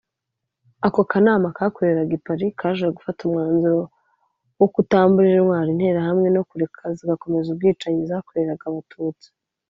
Ako kanama kakoreraga i Paris kaje gufata umwanzuro wo kutambura intwaro Interahamwe no kureka zigakomeza ubwicanyi zakoreraga Abatutsi